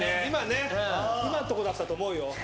今んとこだったと思うよ。